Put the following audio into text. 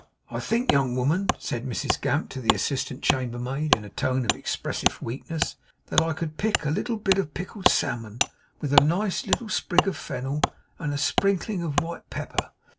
'I think, young woman,' said Mrs Gamp to the assistant chambermaid, in a tone expressive of weakness, 'that I could pick a little bit of pickled salmon, with a nice little sprig of fennel, and a sprinkling of white pepper.